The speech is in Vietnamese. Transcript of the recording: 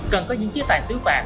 cần có những chiếc tài xứ phạm